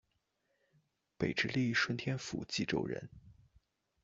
北直隶顺天府蓟州人。